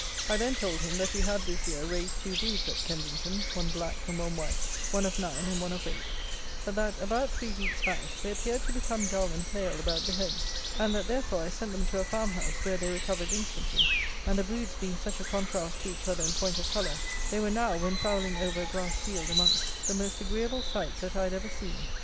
I then told him, that we had, this year, raised two broods at Kensington, one black and one white, one of nine and one of eight; but, that, about three weeks back, they appeared to become dull and pale about the head; and, that, therefore, I sent them to a farmhouse, where they recovered instantly, and the broods being such a contrast to each other in point of colour, they were now, when prowling over a grass field amongst the most agreeable sights that I had ever seen.